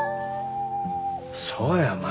そうや舞。